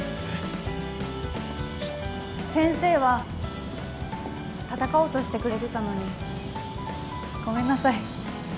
先生は戦おうとしてくれてたのにごめんなさい。